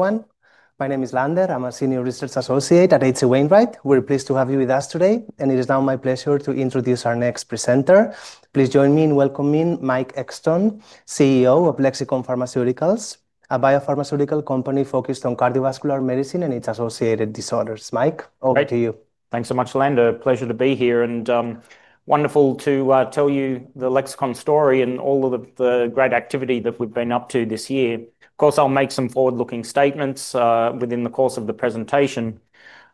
Everyone, my name is Lander. I'm a Senior Research Associate at H.C. Wainwright. We're pleased to have you with us today, and it is now my pleasure to introduce our next presenter. Please join me in welcoming Mike Exton, CEO of Lexicon Pharmaceuticals, a biopharmaceutical company focused on cardiovascular medicine and its associated disorders. Mike, over to you. Thanks so much, Lander. Pleasure to be here and wonderful to tell you the Lexicon story and all of the great activity that we've been up to this year. Of course, I'll make some forward-looking statements within the course of the presentation.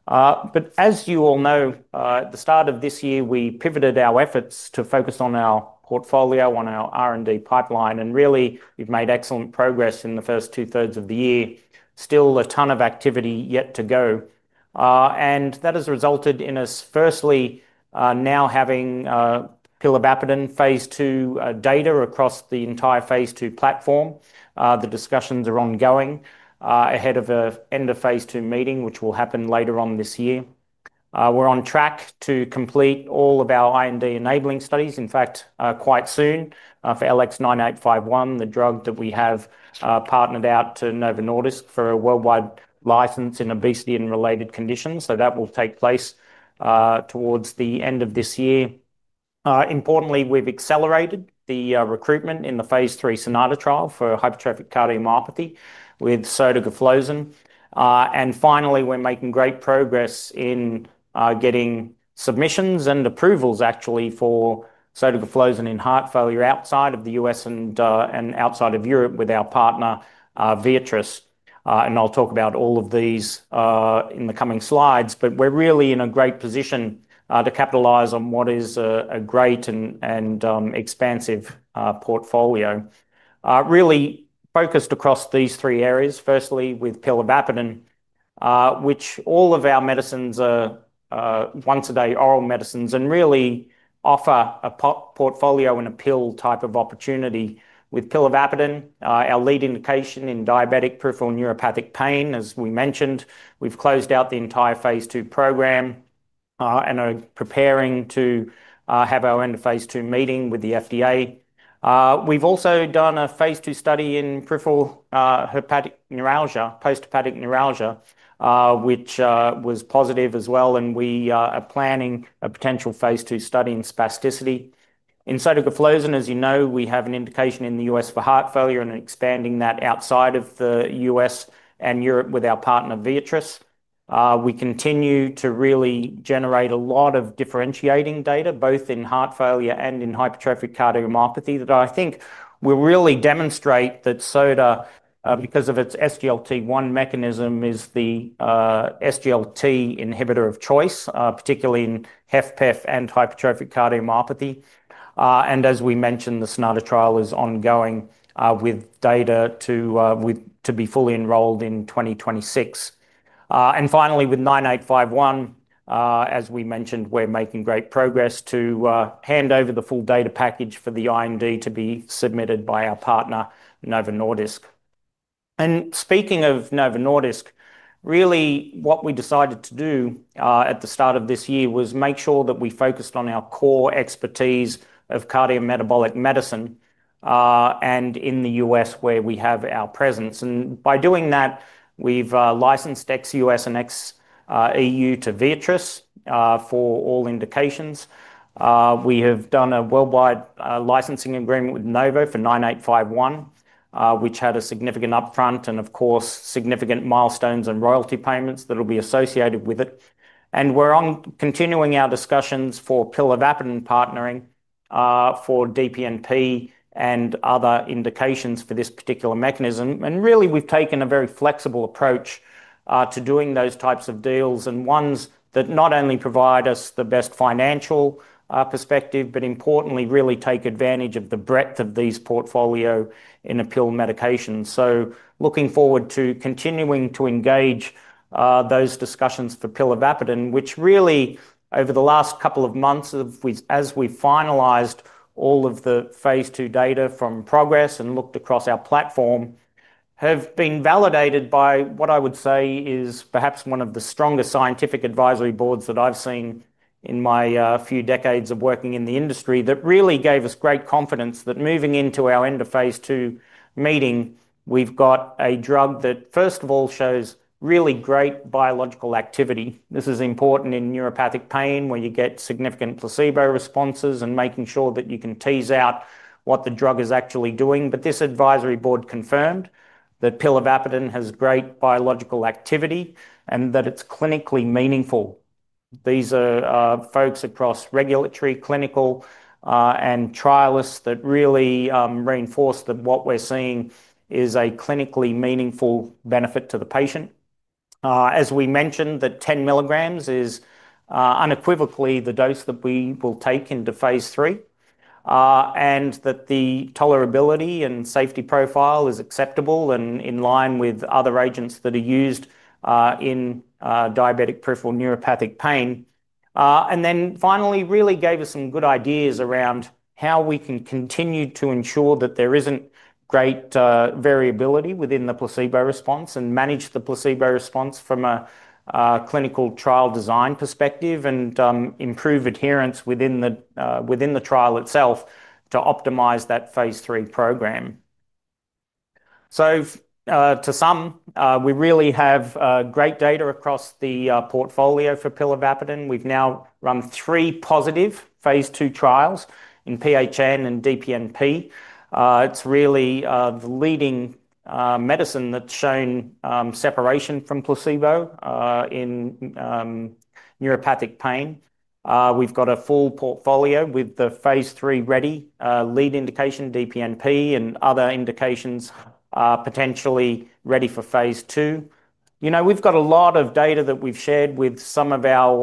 As you all know, at the start of this year, we pivoted our efforts to focus on our portfolio, on our R&D pipeline, and really we've made excellent progress in the first 2/3 of the year. Still a ton of activity yet to go. That has resulted in us, firstly, now having pilibapadin phase 2 data across the entire phase 2 platform. The discussions are ongoing ahead of an end-of-phase-2 meeting, which will happen later on this year. We're on track to complete all of our R&D enabling studies, in fact, quite soon for LX9851, the drug that we have partnered out to Novo Nordisk for a worldwide license in obesity and related conditions. That will take place towards the end of this year. Importantly, we've accelerated the recruitment in the phase 3 SONATA trial for hypertrophic cardiomyopathy with sotagliflozin. Finally, we're making great progress in getting submissions and approvals, actually, for sotagliflozin in heart failure outside of the U.S. and outside of Europe with our partner, Vieitrace. I'll talk about all of these in the coming slides, but we're really in a great position to capitalize on what is a great and expansive portfolio. Really focused across these three areas, firstly with pilibapadin, which all of our medicines are once-a-day oral medicines and really offer a portfolio and a pill type of opportunity. With pilibapadin, our lead indication in diabetic peripheral neuropathic pain, as we mentioned, we've closed out the entire phase 2 program and are preparing to have our end-of-phase-2 meeting with the FDA. We've also done a phase 2 study in post-herpetic neuralgia, which was positive as well, and we are planning a potential phase 2 study in spasticity. In sotagliflozin, as you know, we have an indication in the U.S. for heart failure and are expanding that outside of the U.S. and Europe with our partner, Vieitrace. We continue to really generate a lot of differentiating data, both in heart failure and in hypertrophic cardiomyopathy, that I think will really demonstrate that SOTA, because of its SGLT1 mechanism, is the SGLT inhibitor of choice, particularly in HFpEF and hypertrophic cardiomyopathy. As we mentioned, the SONATA trial is ongoing with data to be fully enrolled in 2026. Finally, with LX9851, as we mentioned, we're making great progress to hand over the full data package for the R&D to be submitted by our partner, Novo Nordisk. Speaking of Novo Nordisk, what we decided to do at the start of this year was make sure that we focused on our core expertise of cardiometabolic medicine and in the U.S. where we have our presence. By doing that, we've licensed ex-U.S. and ex-EU to Vieitrace for all indications. We have done a worldwide licensing agreement with Novo Nordisk for LX9851, which had a significant upfront and, of course, significant milestones and royalty payments that'll be associated with it. We're continuing our discussions for pilibapadin partnering for DPNP and other indications for this particular mechanism. We've taken a very flexible approach to doing those types of deals and ones that not only provide us the best financial perspective, but importantly, really take advantage of the breadth of these portfolios in a pill medication. Looking forward to continuing to engage those discussions for pilibapadin, which really, over the last couple of months, as we've finalized all of the phase 2 data from progress and looked across our platform, have been validated by what I would say is perhaps one of the strongest scientific advisory boards that I've seen in my few decades of working in the industry, that really gave us great confidence that moving into our end-of-phase-2 meeting, we've got a drug that, first of all, shows really great biological activity. This is important in neuropathic pain where you get significant placebo responses and making sure that you can tease out what the drug is actually doing. This advisory board confirmed that pilibapadin has great biological activity and that it's clinically meaningful. These are folks across regulatory, clinical, and trialists that really reinforce that what we're seeing is a clinically meaningful benefit to the patient. As we mentioned, that 10 mg is unequivocally the dose that we will take into phase 3 and that the tolerability and safety profile is acceptable and in line with other agents that are used in diabetic peripheral neuropathic pain. Finally, really gave us some good ideas around how we can continue to ensure that there isn't great variability within the placebo response and manage the placebo response from a clinical trial design perspective and improve adherence within the trial itself to optimize that phase 3 program. To sum, we really have great data across the portfolio for pilibapadin. We've now run three positive phase 2 trials in PHN and DPNP. It's really the leading medicine that's shown separation from placebo in neuropathic pain. We've got a full portfolio with the phase 3 ready lead indication, DPNP, and other indications potentially ready for phase 2. We've got a lot of data that we've shared with some of our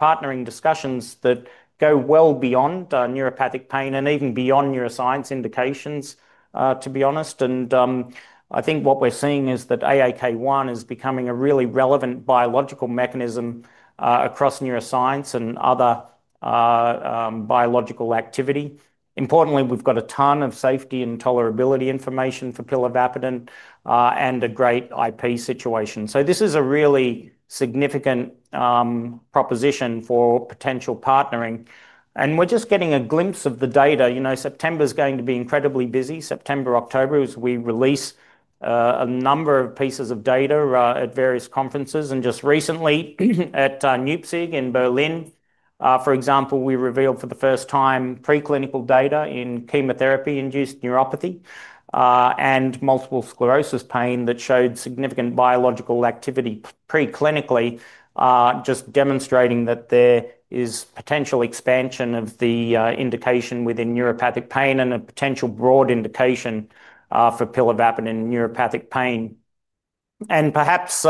partnering discussions that go well beyond neuropathic pain and even beyond neuroscience indications, to be honest. I think what we're seeing is that AAK1 is becoming a really relevant biological mechanism across neuroscience and other biological activity. Importantly, we've got a ton of safety and tolerability information for pilibapadin and a great IP situation. This is a really significant proposition for potential partnering. We're just getting a glimpse of the data. September's going to be incredibly busy. September, October, as we release a number of pieces of data at various conferences. Just recently at NUPCIG in Berlin, for example, we revealed for the first time preclinical data in chemotherapy-induced neuropathy and multiple sclerosis pain that showed significant biological activity preclinically, just demonstrating that there is potential expansion of the indication within neuropathic pain and a potential broad indication for pilibapadin in neuropathic pain. Perhaps,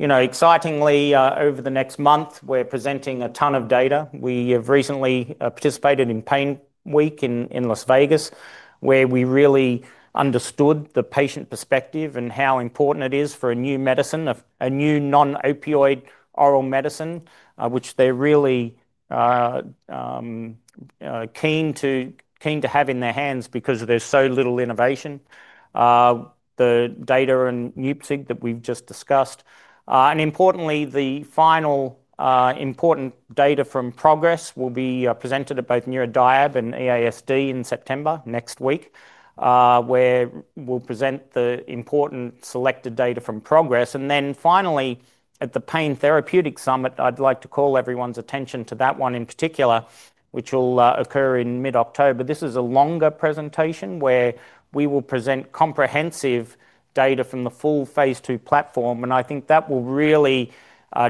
excitingly, over the next month, we're presenting a ton of data. We have recently participated in Pain Week in Las Vegas, where we really understood the patient perspective and how important it is for a new medicine, a new non-opioid oral medicine, which they're really keen to have in their hands because there's so little innovation, the data in NUPCIG that we've just discussed. Importantly, the final important data from progress will be presented at both Neurodiab and AASD in September next week, where we'll present the important selected data from progress. Finally, at the Pain Therapeutic Summit, I'd like to call everyone's attention to that one in particular, which will occur in mid-October. This is a longer presentation where we will present comprehensive data from the full phase 2 platform. I think that will really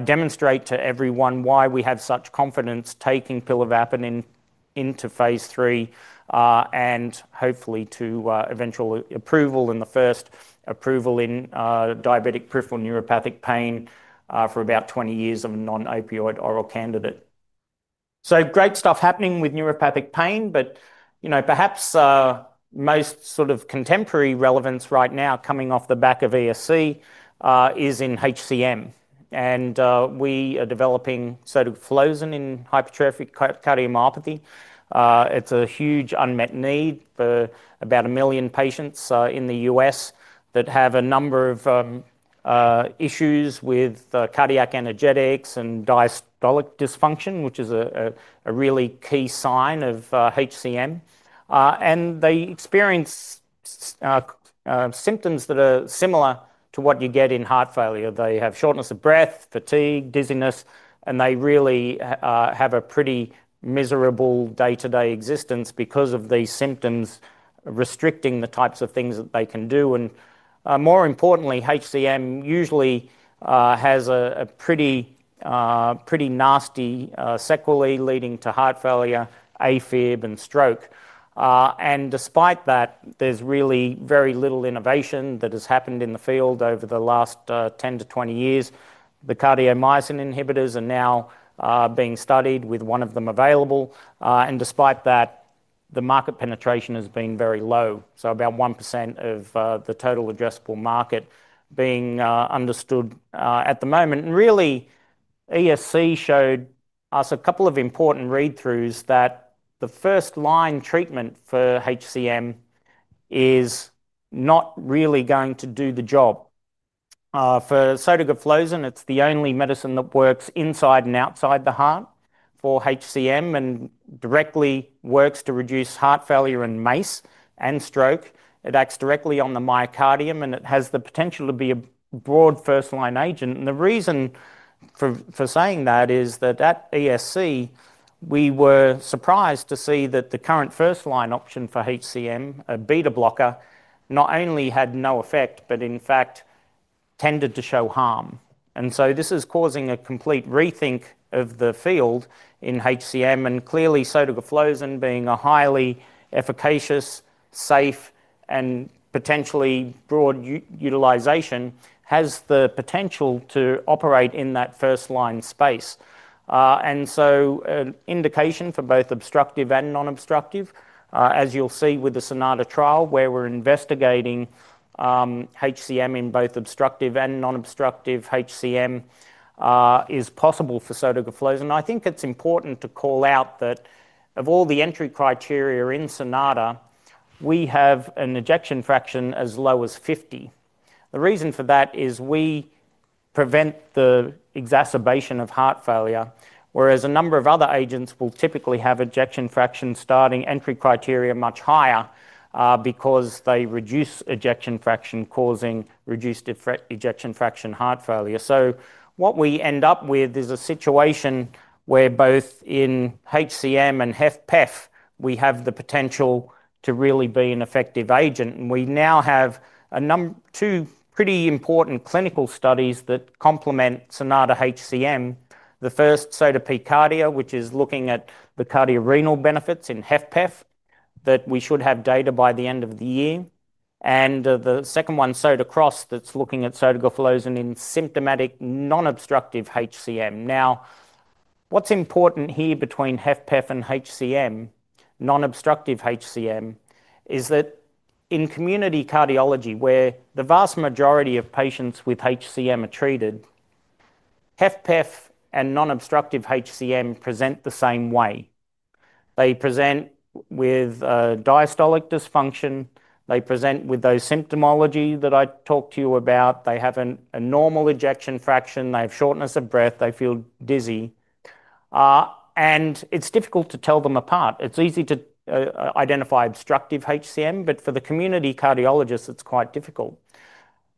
demonstrate to everyone why we have such confidence taking pilibapadin into phase 3 and hopefully to eventual approval and the first approval in diabetic peripheral neuropathic pain for about 20 years of a non-opioid oral candidate. Great stuff is happening with neuropathic pain, but perhaps most sort of contemporary relevance right now coming off the back of ESC is in HCM. We are developing sotagliflozin in hypertrophic cardiomyopathy. It's a huge unmet need for about a million patients in the U.S. that have a number of issues with cardiac energetics and diastolic dysfunction, which is a really key sign of HCM. They experience symptoms that are similar to what you get in heart failure. They have shortness of breath, fatigue, dizziness, and they really have a pretty miserable day-to-day existence because of these symptoms restricting the types of things that they can do. More importantly, HCM usually has a pretty nasty sequelae leading to heart failure, AFib, and stroke. Despite that, there's really very little innovation that has happened in the field over the last 10-20 years. The cardiomyosin inhibitors are now being studied with one of them available. Despite that, the market penetration has been very low, so about 1% of the total addressable market being understood at the moment. ESC showed us a couple of important read-throughs that the first-line treatment for HCM is not really going to do the job. For sotagliflozin, it's the only medicine that works inside and outside the heart for HCM and directly works to reduce heart failure and MACE and stroke. It acts directly on the myocardium, and it has the potential to be a broad first-line agent. The reason for saying that is that at ESC, we were surprised to see that the current first-line option for HCM, a beta blocker, not only had no effect, but in fact, tended to show harm. This is causing a complete rethink of the field in HCM, and clearly sotagliflozin being a highly efficacious, safe, and potentially broad utilization has the potential to operate in that first-line space. An indication for both obstructive and non-obstructive, as you'll see with the SONATA trial where we're investigating HCM in both obstructive and non-obstructive HCM, is possible for sotagliflozin. I think it's important to call out that of all the entry criteria in SONATA, we have an ejection fraction as low as 50%. The reason for that is we prevent the exacerbation of heart failure, whereas a number of other agents will typically have ejection fraction starting entry criteria much higher because they reduce ejection fraction, causing reduced ejection fraction heart failure. What we end up with is a situation where both in HCM and HFpEF, we have the potential to really be an effective agent. We now have two pretty important clinical studies that complement SONATA HCM. The first, SOTA-PCARDIA, is looking at the cardiorenal benefits in HFpEF, and we should have data by the end of the year. The second one, SOTA-CROSS, is looking at sotagliflozin in symptomatic non-obstructive HCM. What's important here between HFpEF and HCM, non-obstructive HCM, is that in community cardiology, where the vast majority of patients with HCM are treated, HFpEF and non-obstructive HCM present the same way. They present with diastolic dysfunction. They present with those symptomology that I talked to you about. They have a normal ejection fraction. They have shortness of breath. They feel dizzy. It's difficult to tell them apart. It's easy to identify obstructive HCM, but for the community cardiologists, it's quite difficult.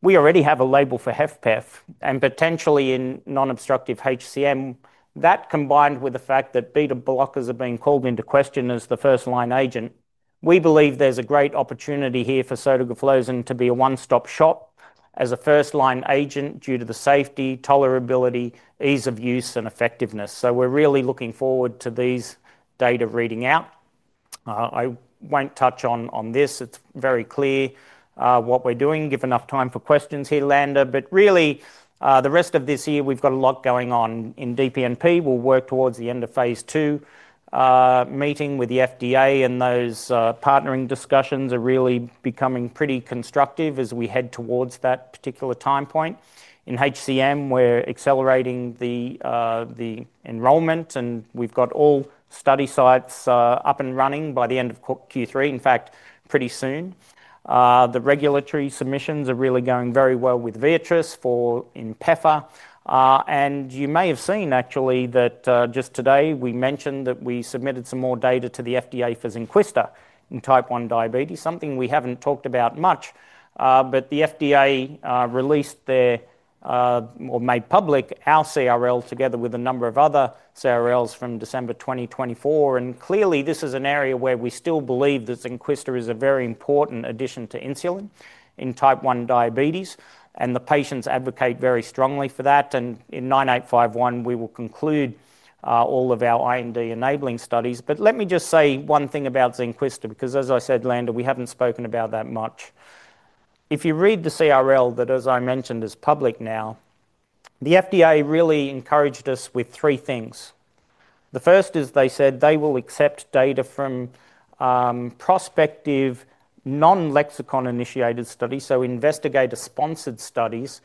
We already have a label for HFpEF and potentially in non-obstructive HCM. That, combined with the fact that beta blockers are being called into question as the first-line agent, we believe there's a great opportunity here for sotagliflozin to be a one-stop shop as a first-line agent due to the safety, tolerability, ease of use, and effectiveness. We're really looking forward to these data reading out. I won't touch on this. It's very clear what we're doing. Give enough time for questions here, Lander. The rest of this year, we've got a lot going on in DPNP. We'll work towards the end-of-phase-2 meeting with the FDA, and those partnering discussions are really becoming pretty constructive as we head towards that particular time point. In HCM, we're accelerating the enrollment, and we've got all study sites up and running by the end of Q3. In fact, pretty soon. The regulatory submissions are really going very well with Vieitrace for HFpEF. You may have seen, actually, that just today we mentioned that we submitted some more data to the FDA for Zynquista in type 1 diabetes, something we haven't talked about much. The FDA released or made public our CRL together with a number of other CRLs from December 2024. Clearly, this is an area where we still believe that Zynquista is a very important addition to insulin in type 1 diabetes. The patients advocate very strongly for that. In LX9851, we will conclude all of our R&D enabling studies. Let me just say one thing about Zynquista because, as I said, Lander, we haven't spoken about that much. If you read the CRL that, as I mentioned, is public now, the FDA really encouraged us with three things. The first is they said they will accept data from prospective non-Lexicon initiated studies, so investigator-sponsored studies,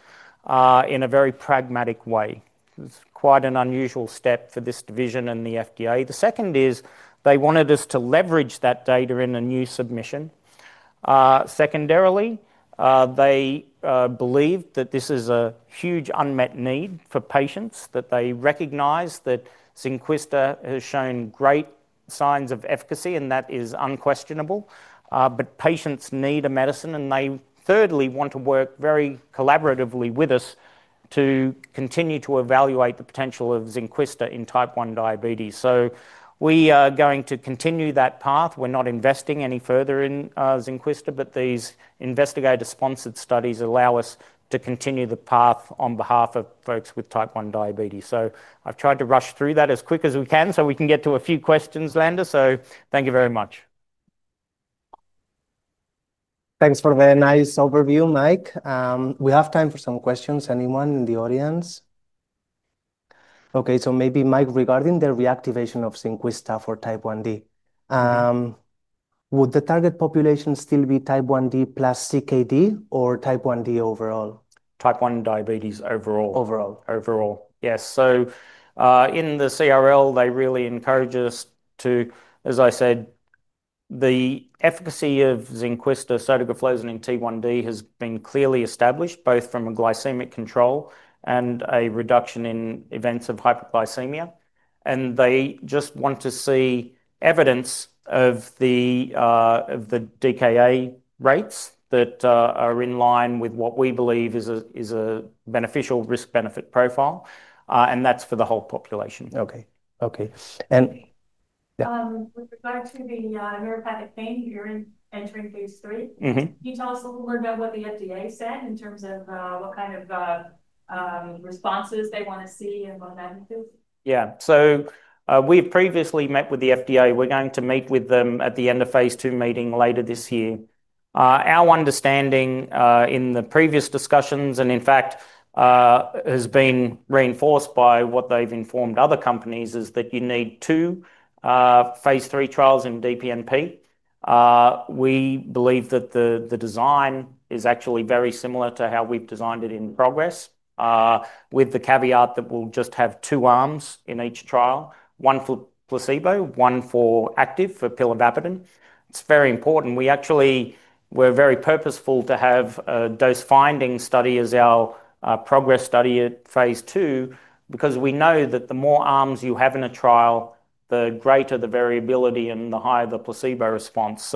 in a very pragmatic way. It's quite an unusual step for this division and the FDA. The second is they wanted us to leverage that data in a new submission. Secondarily, they believe that this is a huge unmet need for patients, that they recognize that Zynquista has shown great signs of efficacy, and that is unquestionable. Patients need a medicine, and they thirdly want to work very collaboratively with us to continue to evaluate the potential of Zynquista in type 1 diabetes. We are going to continue that path. We're not investing any further in Zynquista, but these investigator-sponsored studies allow us to continue the path on behalf of folks with type 1 diabetes. I've tried to rush through that as quick as we can so we can get to a few questions, Lander. Thank you very much. Thanks for the nice overview, Mike. We have time for some questions. Anyone in the audience? OK, so maybe Mike, regarding the reactivation of Zynquista for type 1D, would the target population still be type 1D plus CKD or type 1D overall? Type 1 diabetes overall. Overall. Overall, yes. In the CRL, they really encourage us to, as I said, the efficacy of Zynquista, sotagliflozin, in T1D has been clearly established, both from a glycemic control and a reduction in events of hyperglycemia. They just want to see evidence of the DKA rates that are in line with what we believe is a beneficial risk-benefit profile. That's for the whole population. OK, OK. Yeah. With regard to the neuropathic pain, you're entering phase 3. Can you tell us a little bit about what the FDA said in terms of what kind of responses they want to see and what magnitude? Yeah, so we've previously met with the FDA. We're going to meet with them at the end-of-phase-2 meeting later this year. Our understanding in the previous discussions, and in fact, has been reinforced by what they've informed other companies, is that you need two phase 3 trials in DPNP. We believe that the design is actually very similar to how we've designed it in PROGRESS, with the caveat that we'll just have two arms in each trial, one for placebo, one for active, for pilibapadin. It's very important. We actually were very purposeful to have a dose finding study as our PROGRESS study at phase 2 because we know that the more arms you have in a trial, the greater the variability and the higher the placebo response.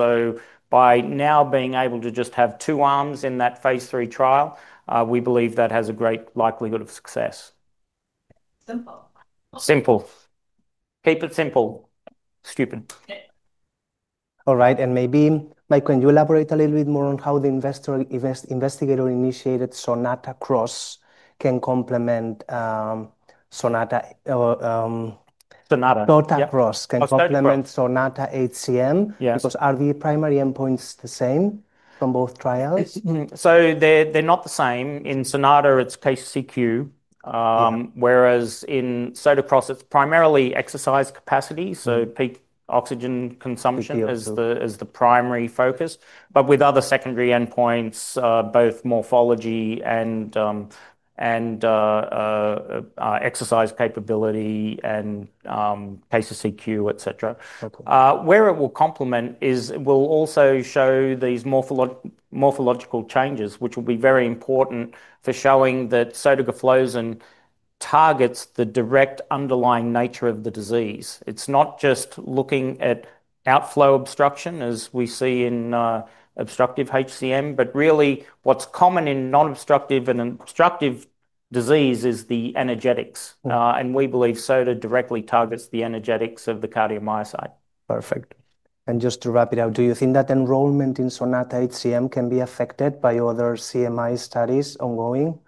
By now being able to just have two arms in that phase 3 trial, we believe that has a great likelihood of success. Simple. Keep it simple, stupid. All right. Mike, can you elaborate a little bit more on how the investigator-initiated SONATA-CROSS can complement SONATA? SONATA. Not SOTA-CROSS can complement SONATA HCM because are the primary endpoints the same from both trials? They're not the same. In the SONATA trial, it's KCQ, whereas in SOTA-CROSS, it's primarily exercise capacity. Peak oxygen consumption is the primary focus, with other secondary endpoints, both morphology and exercise capability and KCQ, et cetera. Where it will complement is it will also show these morphological changes, which will be very important for showing that sotagliflozin targets the direct underlying nature of the disease. It's not just looking at outflow obstruction, as we see in obstructive HCM, but really what's common in non-obstructive and obstructive disease is the energetics. We believe SOTA directly targets the energetics of the cardiomyocyte. Perfect. Just to wrap it up, do you think that enrollment in SONATA HCM can be affected by other CMI studies ongoing?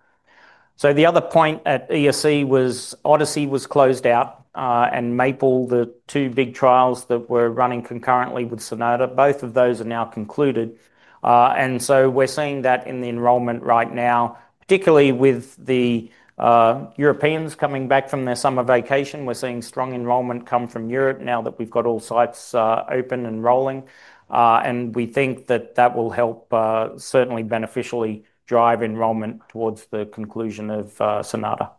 The other point at ESC was Odyssey was closed out and Maple, the two big trials that were running concurrently with SONATA. Both of those are now concluded. We're seeing that in the enrollment right now, particularly with the Europeans coming back from their summer vacation. We're seeing strong enrollment come from Europe now that we've got all sites open and rolling. We think that will help certainly beneficially drive enrollment towards the conclusion of SONATA.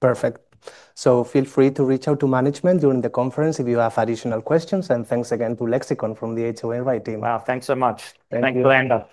Perfect. Feel free to reach out to management during the conference if you have additional questions. Thanks again to Lexicon Pharmaceuticals from H.C. Wainwright. Wow, thanks so much. Thank you, Lander. Thank you.